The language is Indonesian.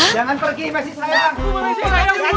jangan pergi mes si sayang